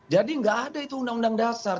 jadi nggak ada itu undang undang dasar